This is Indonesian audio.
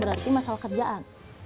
berarti masalah kerjaan